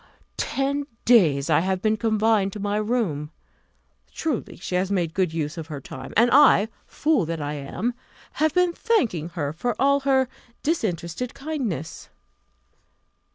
Ten days I have been confined to my room. Truly, she has made a good use of her time: and I, fool that I am, have been thanking her for all her disinterested kindness!